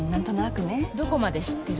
どこまで知ってるの？